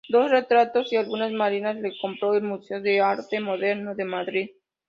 Dos retratos y algunas marinas las compró el Museo de Arte Moderno de Madrid.